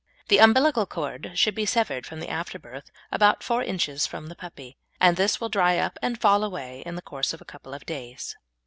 The umbilical cord should be severed from the afterbirth about four inches from the puppy, and this will dry up and fall away in the course of a couple of days.